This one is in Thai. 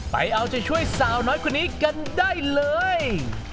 ไปเอาใจช่วยสาวน้อยคนนี้กันได้เลย